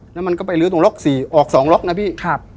แล้วมันก็ไปลื้อตรงล็อกสี่ออกสองล็อกนะพี่ครับ